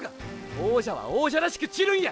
王者は王者らしく散るんや！